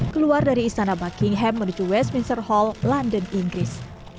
keluar dari istana buckingham menuju westminster hall london inggris